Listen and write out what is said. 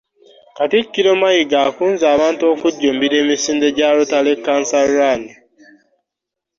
Katikkiro Mayiga akunze abantu okujjumbira emisinde gya Rotary Cancer Run